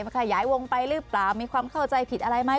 ขยายวงไปหรือเปล่ามีความเข้าใจผิดอะไรไหม